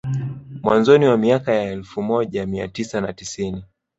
Mwanzoni mwa miaka ya elfu moja mia tisa na tisini